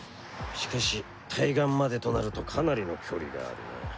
しかし対岸までとなるとかなりの距離があるな。